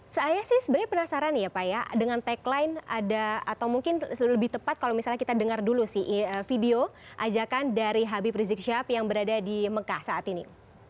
saya sih sebenarnya penasaran ya pak ya dengan tagline ada atau mungkin lebih tepat kalau misalnya kita dengar dulu sih video ajakan dari habib rizik syihab yang berada di mekah saat ini